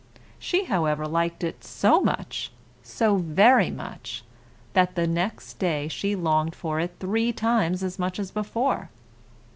She, however, liked it so much, so very much, that the next day she longed for it three times as much as before.